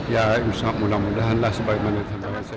ya mudah mudahan lah sebaiknya